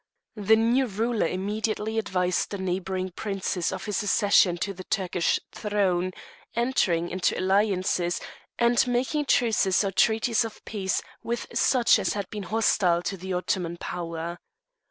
The new ruler immediately advised the neighbouring princes of his accession to the Turkish throne, entering into alliances, and making truces or treaties of peace with such as had been hostile to the Ottoman power.